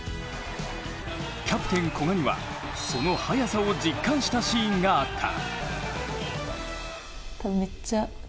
キャプテン・古賀にはその速さを実感したシーンがあった。